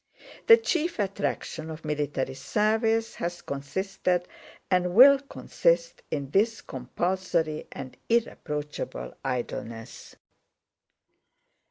The chief attraction of military service has consisted and will consist in this compulsory and irreproachable idleness.